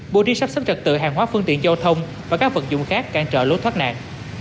bố đi sắp sắp trật tựa hàng hóa phương tiện giao thông và các vận dụng khác cạn trợ lốt thoát nạn